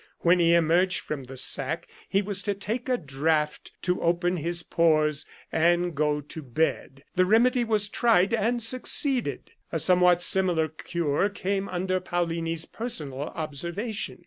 When he emerged from the sack he was to take a draught to open his pores, and to go to bed. The remedy was tried, and succeeded. A somewhat similar cure came under Paullini's personal observation.